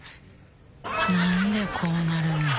何でこうなるの。